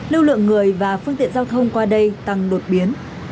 lưu lượng người và phương tiện giao thông qua đây tăng đột biến